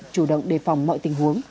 chủ động đề phòng mọi tình huống